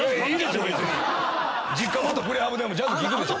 実家元プレハブでもジャズ聴くでしょ。